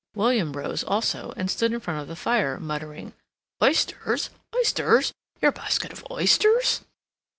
William rose also, and stood in front of the fire, muttering, "Oysters, oysters—your basket of oysters!"